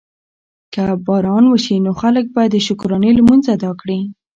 که باران وشي نو خلک به د شکرانې لمونځ ادا کړي.